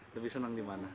lebih senang di mana